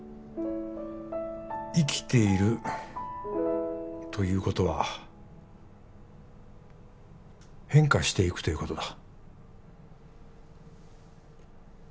生きているということは変化していくということだ